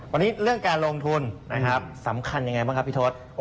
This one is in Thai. วันนี้เรื่องการลงทุนสำคัญอย่างไรบ้างครับพี่โทษ